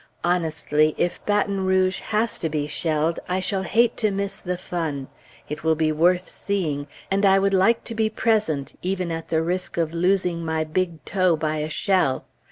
Honestly, if Baton Rouge has to be shelled, I shall hate to miss the fun. It will be worth seeing, and I would like to be present, even at the risk of losing my big toe by a shell.